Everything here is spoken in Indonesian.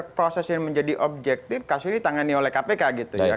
jadi proses ini sudah menjadi objektif kasus ini ditangani oleh kpk gitu ya